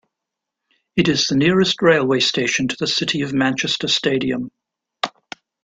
It is the nearest railway station to the City of Manchester Stadium.